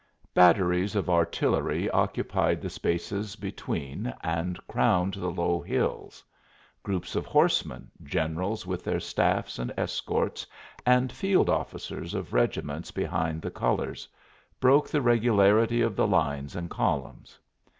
Batteries of artillery occupied the spaces between and crowned the low hills. Groups of horsemen generals with their staffs and escorts, and field officers of regiments behind the colors broke the regularity of the lines and columns.